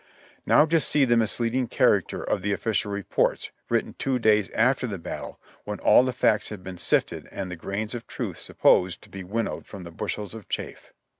Now just see the misleading character of the official reports, written two days after the battle, when all the facts had been sifted and the grains of truth supposed to be winnowed from the bushels of chaff.